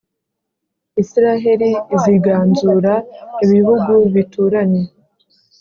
israheli iziganzura ibihugu bituranye